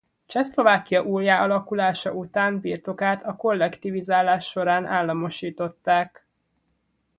Csehszlovákia újjáalakulása után birtokát a kollektivizálás során államosították.